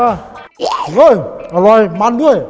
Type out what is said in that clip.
เฮ้ยอร่อยมันด้วย